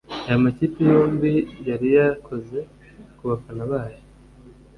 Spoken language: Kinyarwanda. Aya makipe yombi yari yakoze ku bafana bayo